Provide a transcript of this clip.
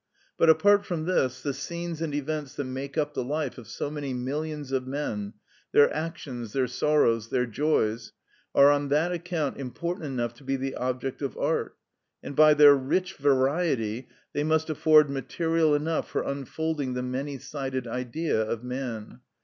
But apart from this, the scenes and events that make up the life of so many millions of men, their actions, their sorrows, their joys, are on that account important enough to be the object of art, and by their rich variety they must afford material enough for unfolding the many sided Idea of man.